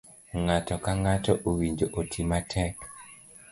ng'ato ka ng'ato owinjo oti matek.